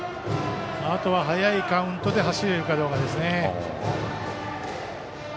あとは早いカウントで走れるかどうかですね。